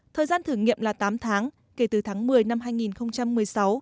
thời gian thử nghiệm là tám tháng kể từ tháng một mươi năm hai nghìn một mươi sáu